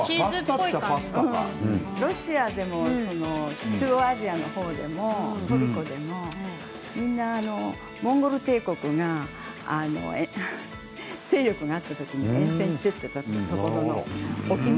ロシアでも中央アジアの方でもトルコでもみんなモンゴル帝国が勢力があった時に遠征していった時にね